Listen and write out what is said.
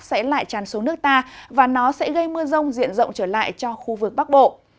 sẽ lại tràn xuống nước ta và nó sẽ gây mưa rông diện rộng trở lại cho khu vực bắc bộ